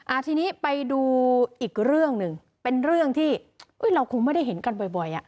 ทีนี้ไปดูอีกเรื่องหนึ่งเป็นเรื่องที่เราคงไม่ได้เห็นกันบ่อยบ่อยอ่ะ